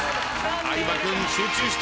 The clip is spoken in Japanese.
相葉君集中して。